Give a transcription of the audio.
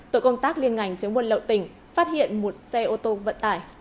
tội công tác liên ngành chống buôn lậu tỉnh phát hiện một xe ô tô vận tải